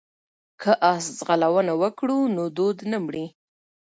که اس ځغلونه وکړو نو دود نه مري.